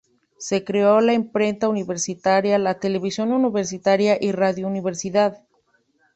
Se creó la Imprenta Universitaria, la Televisión Universitaria y Radio Universidad.